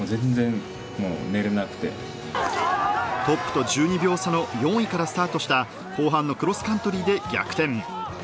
トップと１２秒差の４位からスタートした後半のクロスカントリーで逆転。